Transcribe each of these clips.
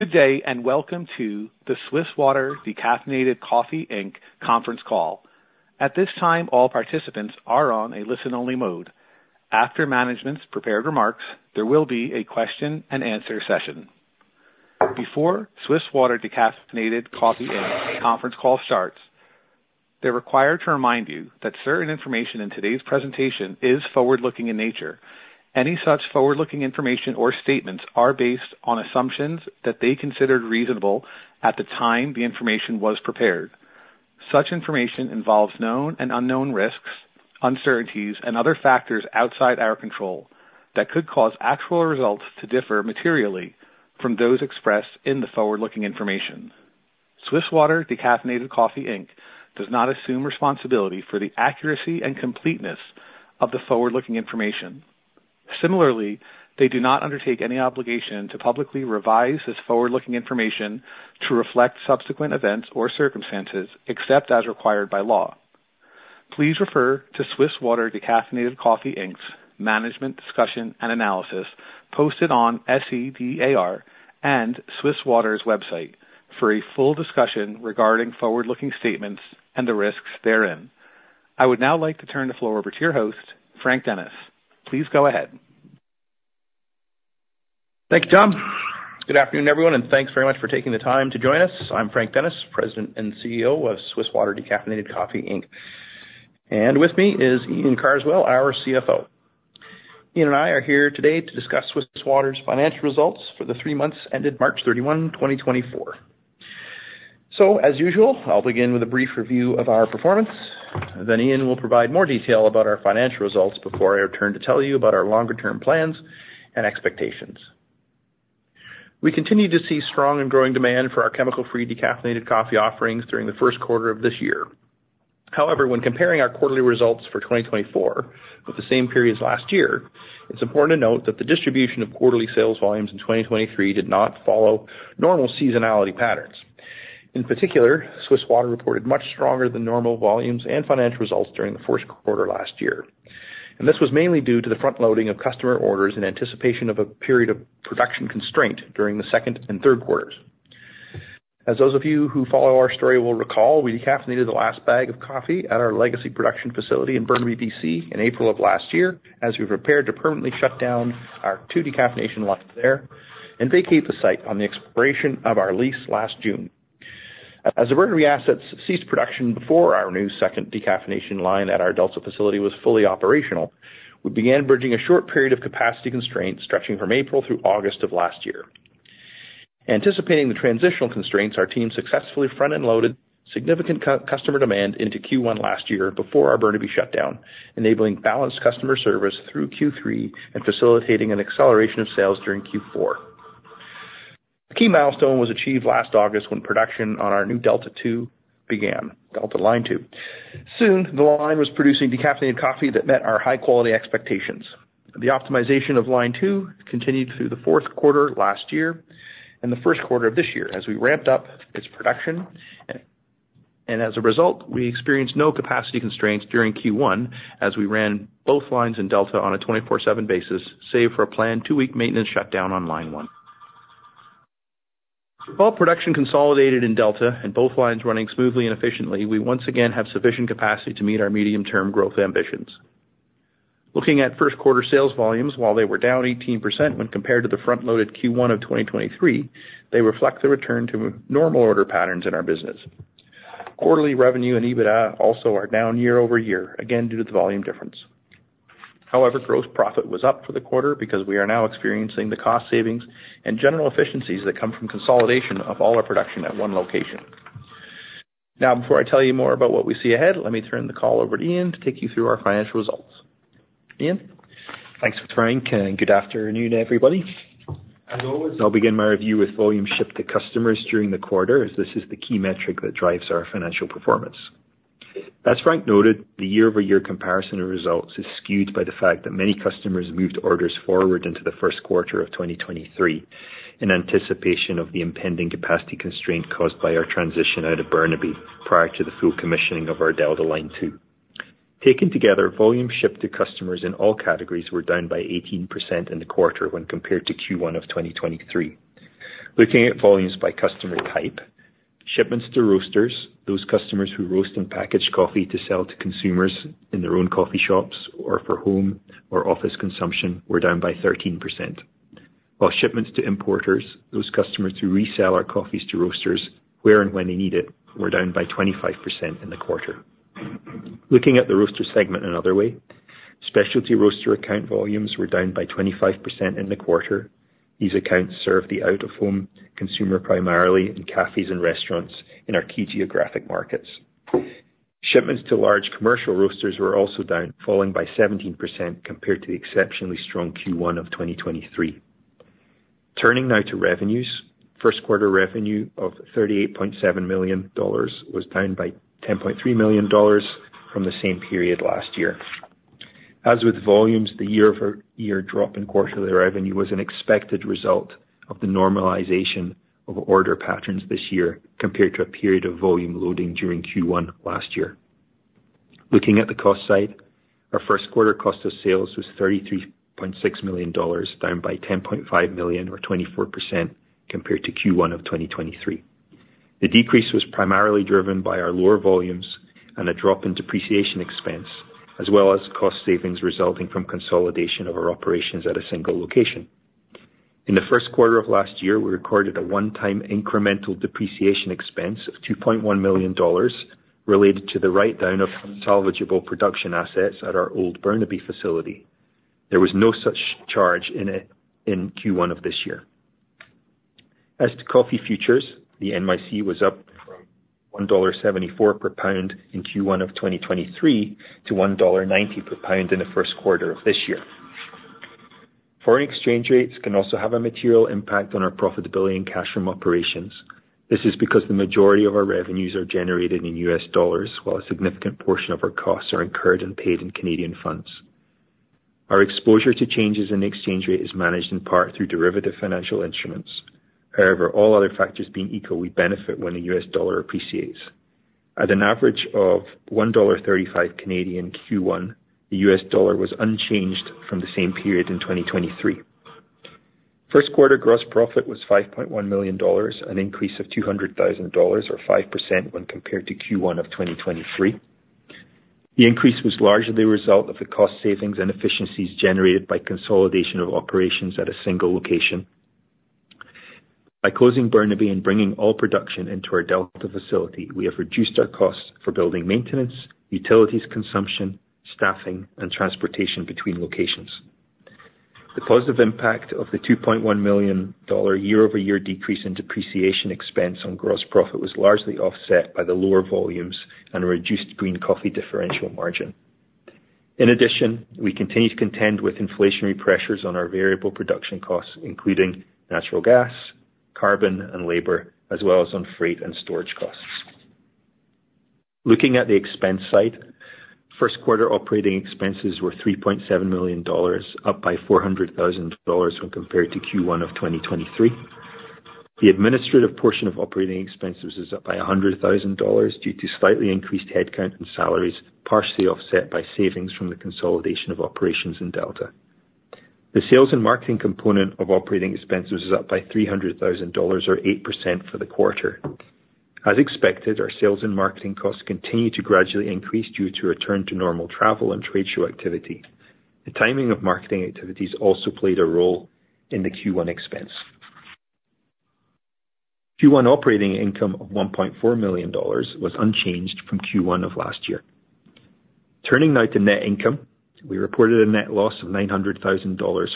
Good day and welcome to the Swiss Water Decaffeinated Coffee Inc. conference call. At this time, all participants are on a listen-only mode. After management's prepared remarks, there will be a question-and-answer session. Before Swiss Water Decaffeinated Coffee Inc. conference call starts, they're required to remind you that certain information in today's presentation is forward-looking in nature. Any such forward-looking information or statements are based on assumptions that they considered reasonable at the time the information was prepared. Such information involves known and unknown risks, uncertainties, and other factors outside our control that could cause actual results to differ materially from those expressed in the forward-looking information. Swiss Water Decaffeinated Coffee Inc. does not assume responsibility for the accuracy and completeness of the forward-looking information. Similarly, they do not undertake any obligation to publicly revise this forward-looking information to reflect subsequent events or circumstances except as required by law. Please refer to Swiss Water Decaffeinated Coffee, Inc. management discussion and analysis posted on SEDAR and Swiss Water's website for a full discussion regarding forward-looking statements and the risks therein. I would now like to turn the floor over to your host, Frank Dennis. Please go ahead. Thank you, Tom. Good afternoon, everyone, and thanks very much for taking the time to join us. I'm Frank Dennis, President and CEO of Swiss Water Decaffeinated Coffee Inc., and with me is Iain Carswell, our CFO. Iain and I are here today to discuss Swiss Water's financial results for the three months ended March 31, 2024. So as usual, I'll begin with a brief review of our performance, then Iain will provide more detail about our financial results before I return to tell you about our longer-term plans and expectations. We continue to see strong and growing demand for our chemical-free decaffeinated coffee offerings during the first quarter of this year. However, when comparing our quarterly results for 2024 with the same period as last year, it's important to note that the distribution of quarterly sales volumes in 2023 did not follow normal seasonality patterns. In particular, Swiss Water reported much stronger-than-normal volumes and financial results during the first quarter last year, and this was mainly due to the front-loading of customer orders in anticipation of a period of production constraint during the second and third quarters. As those of you who follow our story will recall, we decaffeinated the last bag of coffee at our legacy production facility in Burnaby, BC, in April of last year as we prepared to permanently shut down our two decaffeination lines there and vacate the site on the expiration of our lease last June. As the Burnaby assets ceased production before our new second decaffeination line at our Delta facility was fully operational, we began bridging a short period of capacity constraint stretching from April through August of last year. Anticipating the transitional constraints, our team successfully front-end loaded significant customer demand into Q1 last year before our Burnaby shutdown, enabling balanced customer service through Q3 and facilitating an acceleration of sales during Q4. A key milestone was achieved last August when production on our new Delta Line 2 [began]; soon, the line was producing decaffeinated coffee that met our high-quality expectations. The optimization of Line 2 continued through the fourth quarter last year and the first quarter of this year as we ramped up its production, and as a result, we experienced no capacity constraints during Q1 as we ran both lines in Delta on a 24/7 basis, save for a planned two-week maintenance shutdown on Line 1. With all production consolidated in Delta and both lines running smoothly and efficiently, we once again have sufficient capacity to meet our medium-term growth ambitions. Looking at first quarter sales volumes, while they were down 18% when compared to the front-loaded Q1 of 2023, they reflect the return to normal order patterns in our business. Quarterly revenue and EBITDA also are down year-over-year, again due to the volume difference. However, gross profit was up for the quarter because we are now experiencing the cost savings and general efficiencies that come from consolidation of all our production at one location. Now, before I tell you more about what we see ahead, let me turn the call over to Iain to take you through our financial results. Iain? Thanks for joining, Frank, and good afternoon to everybody. As always. I'll begin my review with volume shipped to customers during the quarter as this is the key metric that drives our financial performance. As Frank noted, the year-over-year comparison of results is skewed by the fact that many customers moved orders forward into the first quarter of 2023 in anticipation of the impending capacity constraint caused by our transition out of Burnaby prior to the full commissioning of our Delta Line 2. Taken together, volume shipped to customers in all categories were down by 18% in the quarter when compared to Q1 of 2023. Looking at volumes by customer type, shipments to roasters, those customers who roast and package coffee to sell to consumers in their own coffee shops or for home or office consumption, were down by 13%, while shipments to importers, those customers who resell our coffees to roasters where and when they need it, were down by 25% in the quarter. Looking at the roaster segment another way, specialty roaster account volumes were down by 25% in the quarter. These accounts serve the out-of-home consumer primarily in cafés and restaurants in our key geographic markets. Shipments to large commercial roasters were also down, falling by 17% compared to the exceptionally strong Q1 of 2023. Turning now to revenues, first-quarter revenue of $38.7 million was down by $10.3 million from the same period last year. As with volumes, the year-over-year drop in quarterly revenue was an expected result of the normalization of order patterns this year compared to a period of volume loading during Q1 last year. Looking at the cost side, our first-quarter cost of sales was $33.6 million, down by $10.5 million or 24% compared to Q1 of 2023. The decrease was primarily driven by our lower volumes and a drop in depreciation expense as well as cost savings resulting from consolidation of our operations at a single location. In the first quarter of last year, we recorded a one-time incremental depreciation expense of $2.1 million related to the write-down of salvageable production assets at our old Burnaby facility. There was no such charge in Q1 of this year. As to coffee futures, the NY 'C' was up from $1.74 per pound in Q1 of 2023 to $1.90 per pound in the first quarter of this year. Foreign exchange rates can also have a material impact on our profitability and cash from operations. This is because the majority of our revenues are generated in US dollars, while a significant portion of our costs are incurred and paid in Canadian funds. Our exposure to changes in the exchange rate is managed in part through derivative financial instruments. However, all other factors being equal, we benefit when the US dollar appreciates. At an average of 1.35 Canadian dollars Q1, the US dollar was unchanged from the same period in 2023. First-quarter gross profit was $5.1 million, an increase of $200,000 or 5% when compared to Q1 of 2023. The increase was largely a result of the cost savings and efficiencies generated by consolidation of operations at a single location. By closing Burnaby and bringing all production into our Delta facility, we have reduced our costs for building maintenance, utilities consumption, staffing, and transportation between locations. The positive impact of the $2.1 million year-over-year decrease in depreciation expense on gross profit was largely offset by the lower volumes and reduced green coffee differential margin. In addition, we continue to contend with inflationary pressures on our variable production costs, including natural gas, carbon, and labor, as well as on freight and storage costs. Looking at the expense side, first-quarter operating expenses were $3.7 million, up by $400,000 when compared to Q1 of 2023. The administrative portion of operating expenses is up by $100,000 due to slightly increased headcount and salaries, partially offset by savings from the consolidation of operations in Delta. The sales and marketing component of operating expenses is up by $300,000 or 8% for the quarter. As expected, our sales and marketing costs continue to gradually increase due to return to normal travel and trade-show activity. The timing of marketing activities also played a role in the Q1 expense. Q1 operating income of $1.4 million was unchanged from Q1 of last year. Turning now to net income, we reported a net loss of $900,000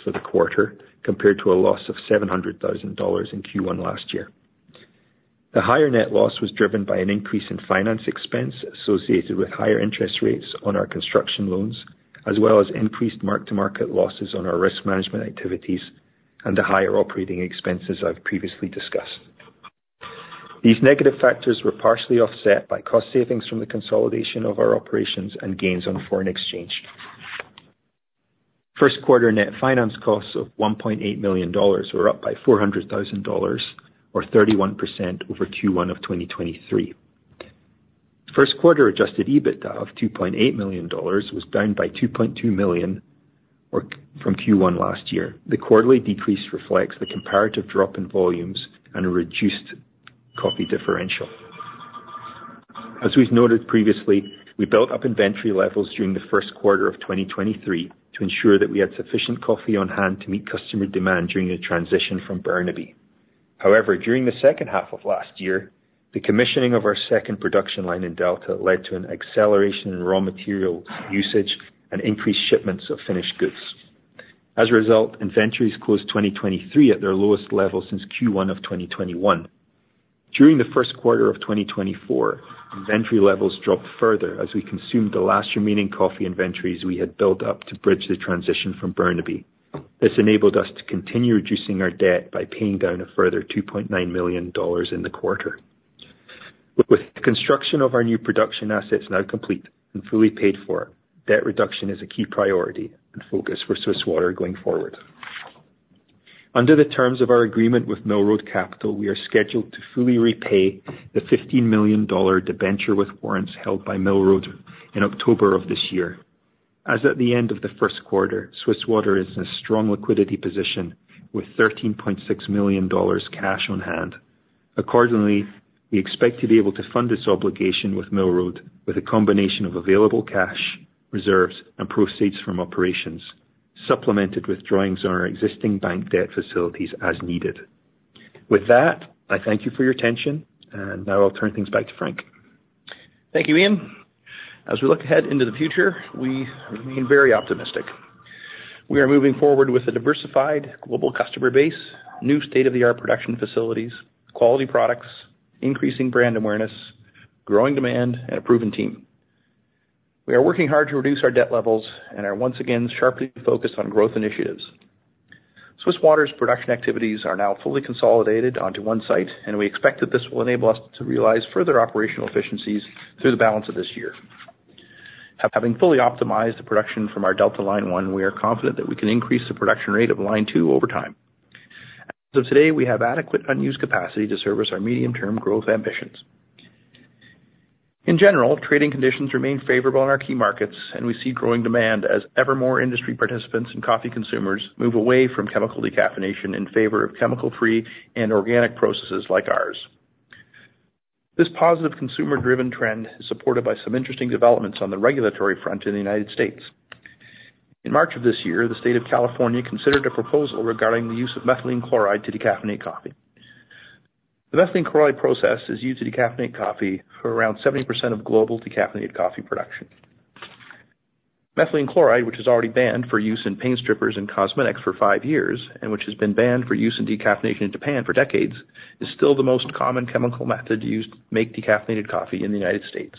for the quarter compared to a loss of $700,000 in Q1 last year. The higher net loss was driven by an increase in finance expense associated with higher interest rates on our construction loans, as well as increased mark-to-market losses on our risk management activities and the higher operating expenses I've previously discussed. These negative factors were partially offset by cost savings from the consolidation of our operations and gains on foreign exchange. First-quarter net finance costs of $1.8 million were up by $400,000 or 31% over Q1 of 2023. First-quarter adjusted EBITDA of $2.8 million was down by $2.2 million from Q1 last year. The quarterly decrease reflects the comparative drop in volumes and a reduced coffee differential. As we've noted previously, we built up inventory levels during the first quarter of 2023 to ensure that we had sufficient coffee on hand to meet customer demand during the transition from Burnaby. However, during the second half of last year, the commissioning of our second production line in Delta led to an acceleration in raw materials usage and increased shipments of finished goods. As a result, inventories closed 2023 at their lowest level since Q1 of 2021. During the first quarter of 2024, inventory levels dropped further as we consumed the last remaining coffee inventories we had built up to bridge the transition from Burnaby. This enabled us to continue reducing our debt by paying down a further $2.9 million in the quarter. With the construction of our new production assets now complete and fully paid for, debt reduction is a key priority and focus for Swiss Water going forward. Under the terms of our agreement with Mill Road Capital, we are scheduled to fully repay the $15 million debenture with warrants held by Mill Road in October of this year. As at the end of the first quarter, Swiss Water is in a strong liquidity position with $13.6 million cash on hand. Accordingly, we expect to be able to fund this obligation with Mill Road with a combination of available cash, reserves, and proceeds from operations, supplemented with drawings on our existing bank debt facilities as needed. With that, I thank you for your attention, and now I'll turn things back to Frank. Thank you, Iain. As we look ahead into the future, we remain very optimistic. We are moving forward with a diversified global customer base, new state-of-the-art production facilities, quality products, increasing brand awareness, growing demand, and a proven team. We are working hard to reduce our debt levels and are once again sharply focused on growth initiatives. Swiss Water's production activities are now fully consolidated onto one site, and we expect that this will enable us to realize further operational efficiencies through the balance of this year. Having fully optimized the production from our Delta Line 1, we are confident that we can increase the production rate of Line 2 over time. As of today, we have adequate unused capacity to service our medium-term growth ambitions. In general, trading conditions remain favorable in our key markets, and we see growing demand as ever more industry participants and coffee consumers move away from chemical decaffeination in favor of chemical-free and organic processes like ours. This positive consumer-driven trend is supported by some interesting developments on the regulatory front in the United States. In March of this year, the state of California considered a proposal regarding the use of methylene chloride to decaffeinate coffee. The methylene chloride process is used to decaffeinate coffee for around 70% of global decaffeinated coffee production. Methylene chloride, which has already been banned for use in paint strippers and cosmetics for five years and which has been banned for use in decaffeination in Japan for decades, is still the most common chemical method used to make decaffeinated coffee in the United States.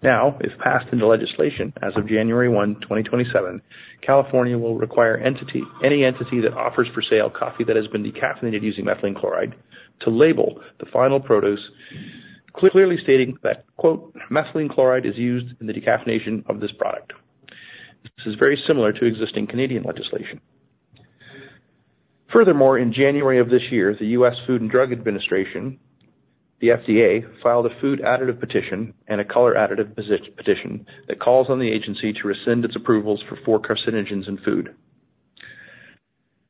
Now, if passed into legislation as of January 1, 2027, California will require any entity that offers for sale coffee that has been decaffeinated using methylene chloride to label the final product, clearly stating that, "Methylene chloride is used in the decaffeination of this product." This is very similar to existing Canadian legislation. Furthermore, in January of this year, the U.S. Food and Drug Administration, the FDA, filed a food additive petition and a color additive petition that calls on the agency to rescind its approvals for four carcinogens in food.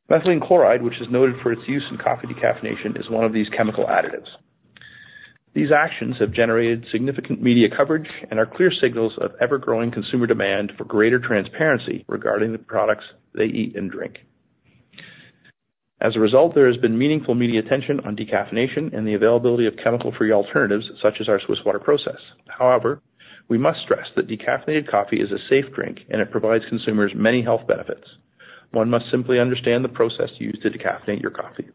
Methylene chloride, which is noted for its use in coffee decaffeination, is one of these chemical additives. These actions have generated significant media coverage and are clear signals of ever-growing consumer demand for greater transparency regarding the products they eat and drink. As a result, there has been meaningful media attention on decaffeination and the availability of chemical-free alternatives such as our Swiss Water Process. However, we must stress that decaffeinated coffee is a safe drink, and it provides consumers many health benefits. One must simply understand the process used to decaffeinate your coffee.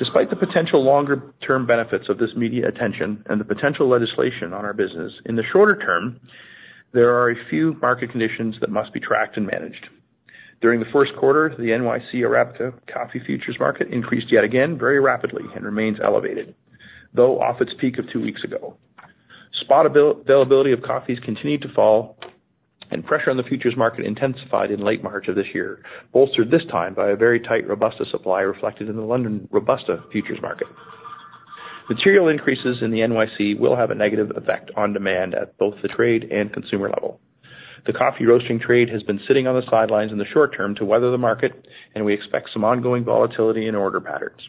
Despite the potential longer-term benefits of this media attention and the potential legislation on our business, in the shorter term, there are a few market conditions that must be tracked and managed. During the first quarter, the NYC Arabica coffee futures market increased yet again very rapidly and remains elevated, though off its peak of two weeks ago. Spot availability of coffees continued to fall, and pressure on the futures market intensified in late March of this year, bolstered this time by a very tight Robusta supply reflected in the London Robusta futures market. Material increases in the NYC will have a negative effect on demand at both the trade and consumer level. The coffee roasting trade has been sitting on the sidelines in the short term to weather the market, and we expect some ongoing volatility and order patterns.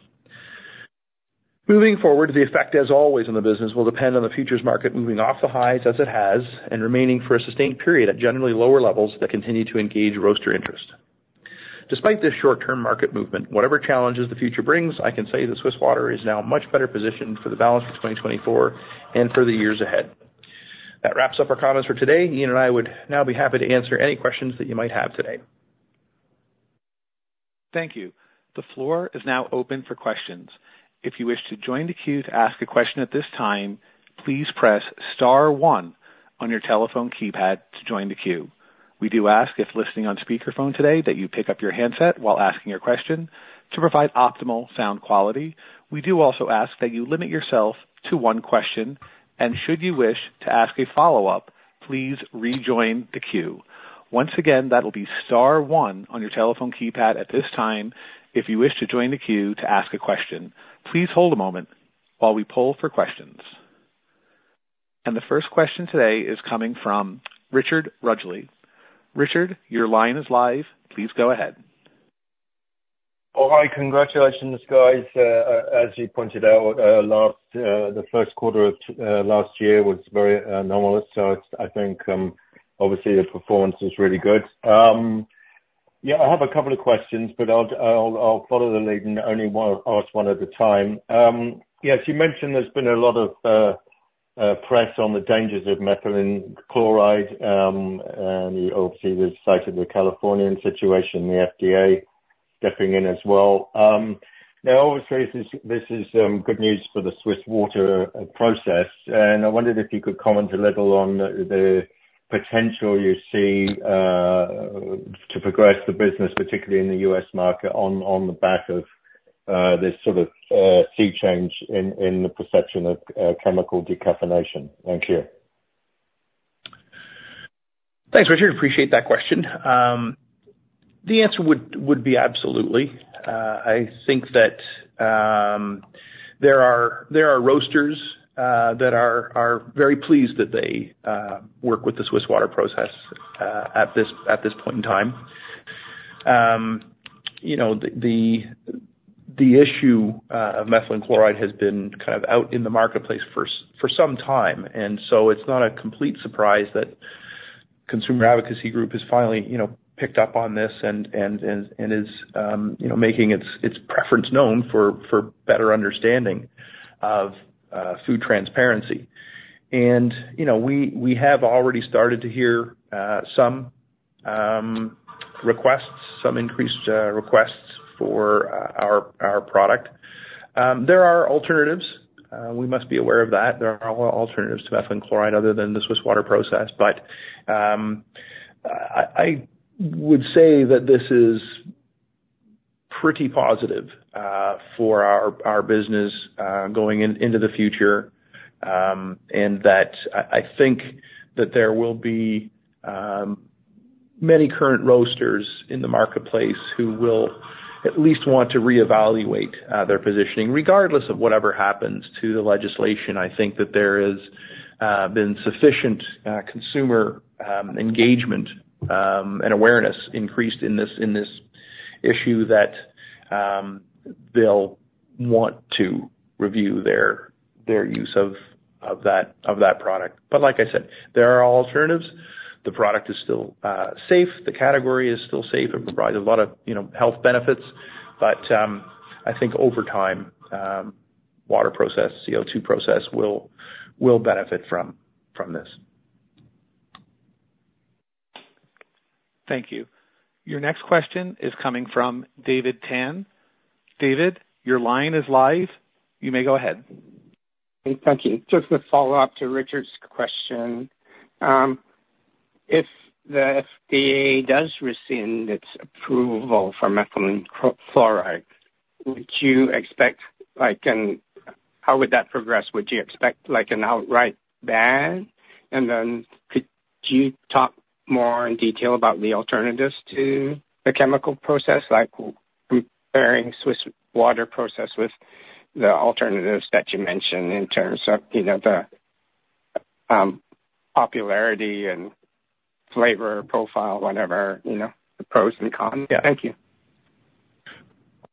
Moving forward, the effect, as always, on the business will depend on the futures market moving off the highs as it has and remaining for a sustained period at generally lower levels that continue to engage roaster interest. Despite this short-term market movement, whatever challenges the future brings, I can say that Swiss Water is now much better positioned for the balance of 2024 and for the years ahead. That wraps up our comments for today. Iain and I would now be happy to answer any questions that you might have today. Thank you. The floor is now open for questions. If you wish to join the queue to ask a question at this time, please press star one on your telephone keypad to join the queue. We do ask if listening on speakerphone today that you pick up your handset while asking your question to provide optimal sound quality. We do also ask that you limit yourself to one question, and should you wish to ask a follow-up, please rejoin the queue. Once again, that will be star one on your telephone keypad at this time if you wish to join the queue to ask a question. Please hold a moment while we pull for questions. The first question today is coming from Richard Ruggeley. Richard, your line is live. Please go ahead. All right. Congratulations, guys. As you pointed out, the first quarter of last year was very anomalous, so I think, obviously, the performance is really good. Yeah, I have a couple of questions, but I'll follow the lead and only ask one at a time. Yes, you mentioned there's been a lot of press on the dangers of methylene chloride, and you obviously cited the Californian situation, the FDA stepping in as well. Now, obviously, this is good news for the Swiss Water Process, and I wondered if you could comment a little on the potential you see to progress the business, particularly in the US market, on the back of this sort of sea change in the perception of chemical decaffeination. Thank you. Thanks, Richard. I appreciate that question. The answer would be absolutely. I think that there are roasters that are very pleased that they work with the Swiss Water Process at this point in time. The issue of methylene chloride has been kind of out in the marketplace for some time, and so it's not a complete surprise that Consumer Advocacy Group has finally picked up on this and is making its preference known for better understanding of food transparency. And we have already started to hear some requests, some increased requests for our product. There are alternatives. We must be aware of that. There are alternatives to methylene chloride other than the Swiss Water process, but I would say that this is pretty positive for our business going into the future and that I think that there will be many current roasters in the marketplace who will at least want to reevaluate their positioning. Regardless of whatever happens to the legislation, I think that there has been sufficient consumer engagement and awareness increased in this issue that they'll want to review their use of that product. But like I said, there are alternatives. The product is still safe. The category is still safe. It provides a lot of health benefits, but I think over time, water process, CO2 process will benefit from this. Thank you. Your next question is coming from David Tan. David, your line is live. You may go ahead. Thank you. Just a follow-up to Richard's question. If the FDA does rescind its approval for methylene chloride, would you expect? How would that progress? Would you expect an outright ban? And then could you talk more in detail about the alternatives to the chemical process, like comparing Swiss Water Process with the alternatives that you mentioned in terms of the popularity and flavor profile, whatever, the pros and cons? Thank you.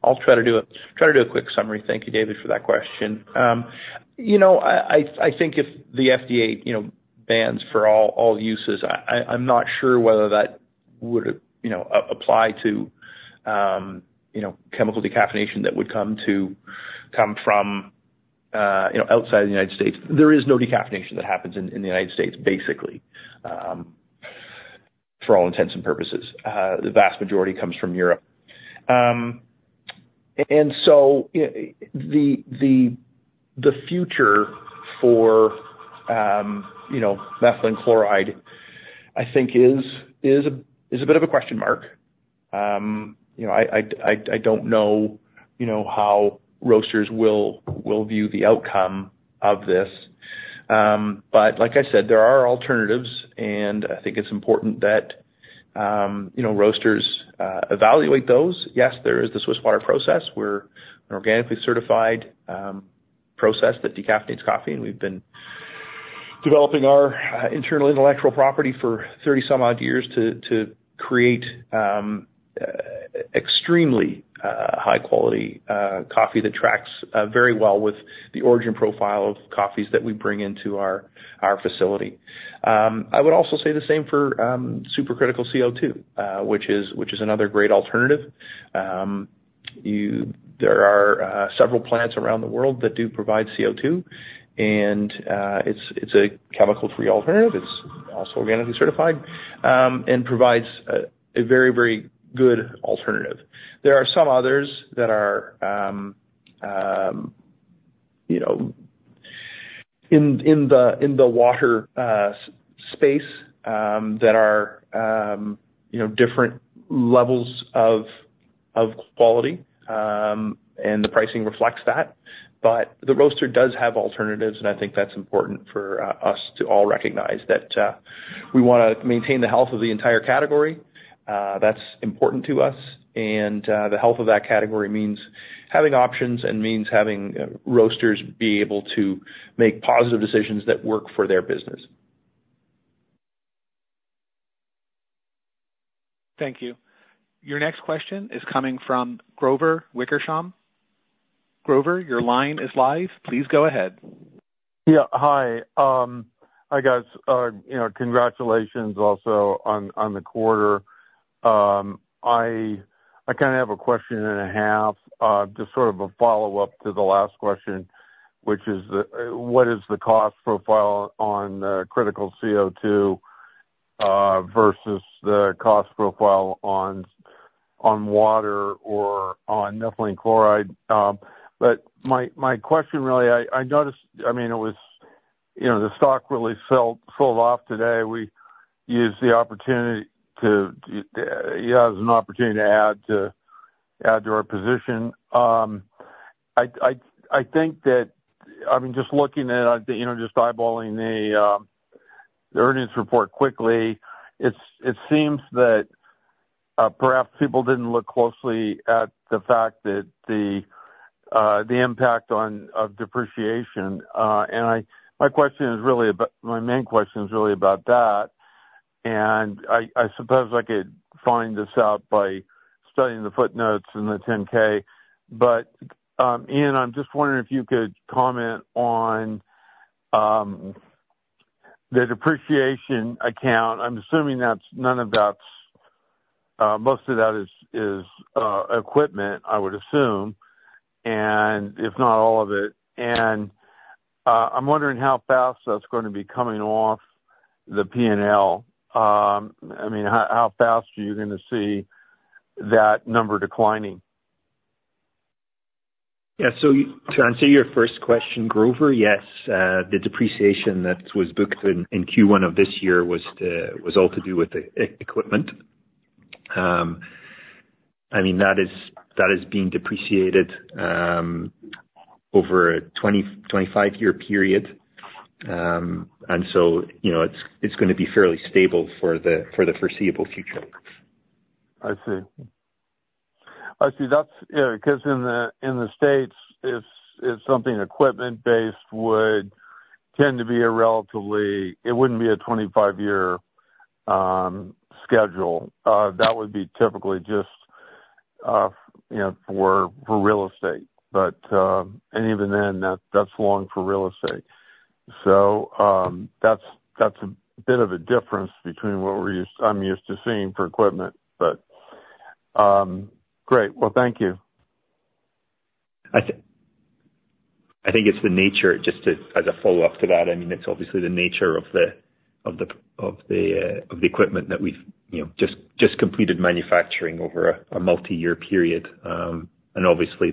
I'll try to do a quick summary. Thank you, David, for that question. I think if the FDA bans for all uses, I'm not sure whether that would apply to chemical decaffeination that would come from outside of the United States. There is no decaffeination that happens in the United States, basically, for all intents and purposes. The vast majority comes from Europe. And so the future for methylene chloride, I think, is a bit of a question mark. I don't know how roasters will view the outcome of this. But like I said, there are alternatives, and I think it's important that roasters evaluate those. Yes, there is the Swiss Water Process. We're an organically certified process that decaffeinates coffee, and we've been developing our internal intellectual property for 30-some-odd years to create extremely high-quality coffee that tracks very well with the origin profile of coffees that we bring into our facility. I would also say the same for Supercritical CO2, which is another great alternative. There are several plants around the world that do provide CO2, and it's a chemical-free alternative. It's also organically certified and provides a very, very good alternative. There are some others that are in the water space that are different levels of quality, and the pricing reflects that. But the roaster does have alternatives, and I think that's important for us to all recognize that we want to maintain the health of the entire category. That's important to us, and the health of that category means having options and means having roasters be able to make positive decisions that work for their business. Thank you. Your next question is coming from Grover Wickersham. Grover, your line is live. Please go ahead. Yeah. Hi. I guess congratulations also on the quarter. I kind of have a question and a half, just sort of a follow-up to the last question, which is, what is the cost profile on supercritical CO2 versus the cost profile on water or on methylene chloride? But my question, really, I noticed I mean, it was the stock really sold off today. We used the opportunity to yeah, it was an opportunity to add to our position. I think that I mean, just looking at just eyeballing the earnings report quickly, it seems that perhaps people didn't look closely at the fact that the impact of depreciation and my question is really about my main question is really about that. And I suppose I could find this out by studying the footnotes in the 10-K. But Iain, I'm just wondering if you could comment on the depreciation account. I'm assuming that's none of that's most of that is equipment, I would assume, and if not, all of it. I'm wondering how fast that's going to be coming off the P&L. I mean, how fast are you going to see that number declining? Yeah. So to answer your first question, Grover, yes, the depreciation that was booked in Q1 of this year was all to do with equipment. I mean, that is being depreciated over a 25-year period, and so it's going to be fairly stable for the foreseeable future. I see. I see. Yeah, because in the States, it's something equipment-based would tend to be a relatively it wouldn't be a 25-year schedule. That would be typically just for real estate, and even then, that's long for real estate. So that's a bit of a difference between what I'm used to seeing for equipment, but great. Well, thank you. I think it's the nature, just as a follow-up to that. I mean, it's obviously the nature of the equipment that we've just completed manufacturing over a multi-year period. And obviously,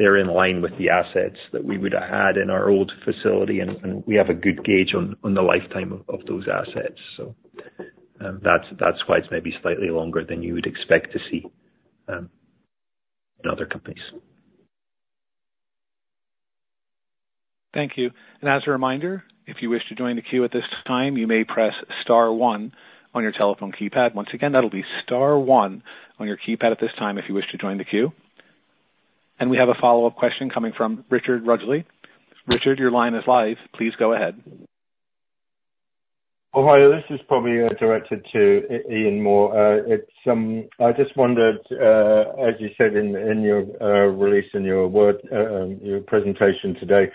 they're in line with the assets that we would have had in our old facility, and we have a good gauge on the lifetime of those assets. So that's why it's maybe slightly longer than you would expect to see in other companies. Thank you. And as a reminder, if you wish to join the queue at this time, you may press star one on your telephone keypad. Once again, that'll be star one on your keypad at this time if you wish to join the queue. And we have a follow-up question coming from Richard Ruggeley. Richard, your line is live. Please go ahead. All right. This is probably directed to Iain Carswell. I just wondered, as you said in your release and your presentation today,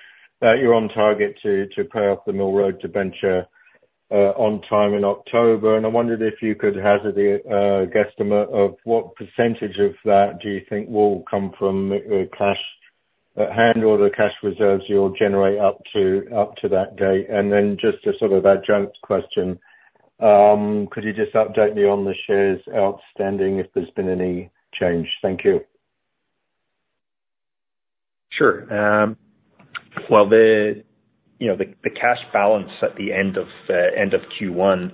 that you're on target to pay off the Mill Road debenture on time in October. And I wondered if you could hazard the guesstimate of what percentage of that do you think will come from cash at hand or the cash reserves you'll generate up to that date. And then just as sort of adjunct question, could you just update me on the shares outstanding if there's been any change? Thank you. Sure. Well, the cash balance at the end of Q1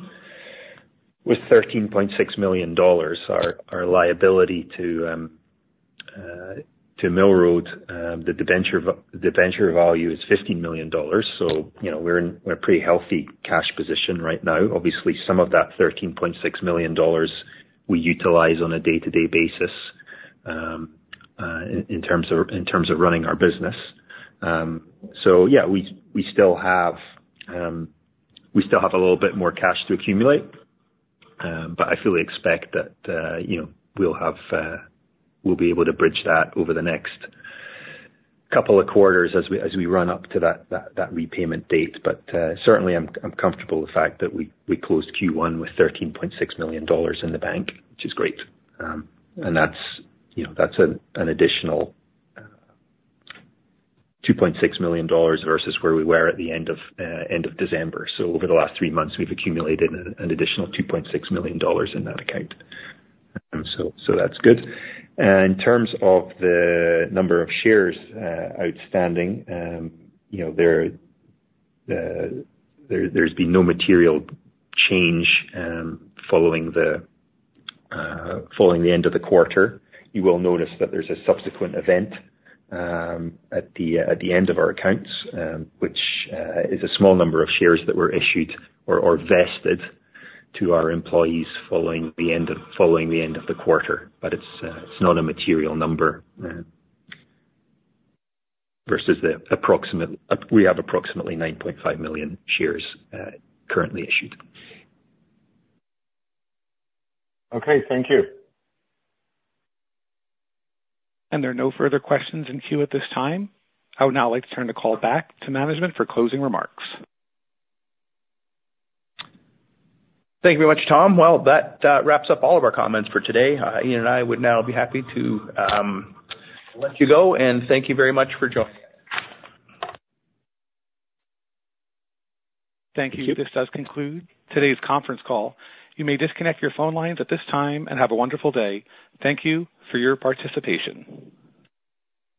was $13.6 million, our liability to Mill Road. The debenture value is $15 million, so we're in a pretty healthy cash position right now. Obviously, some of that $13.6 million, we utilize on a day-to-day basis in terms of running our business. So yeah, we still have a little bit more cash to accumulate, but I fully expect that we'll be able to bridge that over the next couple of quarters as we run up to that repayment date. But certainly, I'm comfortable with the fact that we closed Q1 with $13.6 million in the bank, which is great. And that's an additional $2.6 million versus where we were at the end of December. So over the last three months, we've accumulated an additional $2.6 million in that account. So that's good. In terms of the number of shares outstanding, there's been no material change following the end of the quarter. You will notice that there's a subsequent event at the end of our accounts, which is a small number of shares that were issued or vested to our employees following the end of the quarter. But it's not a material number versus approximately 9.5 million shares currently issued. Okay. Thank you. There are no further questions in queue at this time. I would now like to turn the call back to management for closing remarks. Thank you very much, Tom. Well, that wraps up all of our comments for today. Iain and I would now be happy to let you go, and thank you very much for joining us. Thank you. This does conclude today's conference call. You may disconnect your phone lines at this time and have a wonderful day. Thank you for your participation.